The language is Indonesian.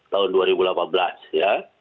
tahun dua ribu delapan belas ya